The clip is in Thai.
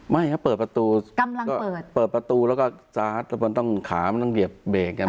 ไม่ฮะเปิดประตูกำลังเปิดเปิดประตูแล้วก็ต้องขามันต้องเหยียบเบรกกัน